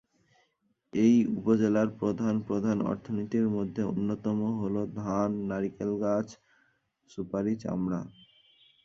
এই উপজেলার প্রধান প্রধান অর্থনীতির মধ্যে অন্যতম হল ধান, মাছ, নারিকেল, সুপারি, চামড়া।